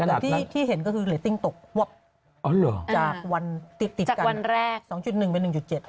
แต่ที่เห็นก็คือเลสติ้งตกจากวันติดกัน๒๑ไป๑๗